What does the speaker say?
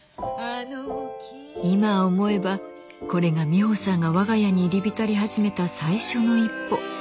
今思えばこれがミホさんが我が家に入り浸り始めた最初の一歩。